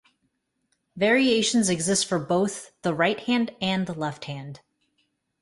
Variations exist for both the right hand, and left hand.